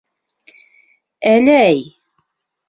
Әләй!